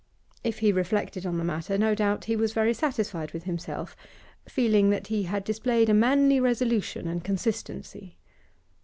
If he reflected on the matter, no doubt he was very satisfied with himself, feeling that he had displayed a manly resolution and consistency.